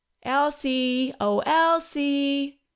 "Elsie! Oh, Elsie!"